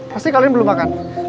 pasti kalian belum makan